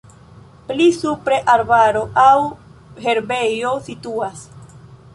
Pli supre arbaro aŭ herbejo situas.